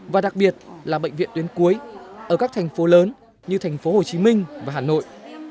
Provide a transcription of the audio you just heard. và đặc biệt là bệnh viện tuyến cuối ở các thành phố lớn như thành phố hồ chí minh và hà nội